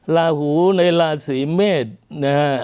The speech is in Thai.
ลาหูในราชสิเมศเนี่ยฮะ